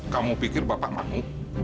kamu pikir bapak mau